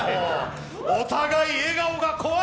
お互い笑顔が怖い。